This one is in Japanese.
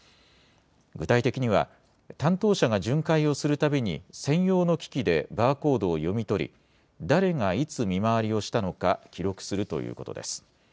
具体的には、担当者が巡回をするたびに専用の機器でバーコードを読み取り、誰がいつ見回りをしたのか記録するということです。